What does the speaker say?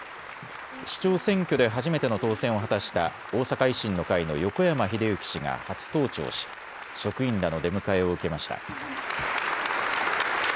市長選挙で初めての当選を果たした大阪維新の会の横山英幸氏が初登庁し職員らの出迎えを受けました。